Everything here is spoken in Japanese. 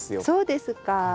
そうですか。